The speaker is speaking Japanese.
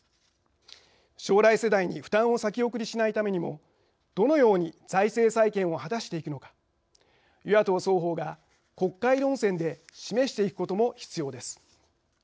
将来世代に負担を先送りしないためにもどのように財政再建を果たしていくのか与野党双方が国会論戦で示していくことも必要です。